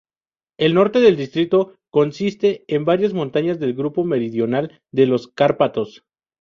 El norte del distrito consiste en varias montañas del grupo meridional de los Cárpatos.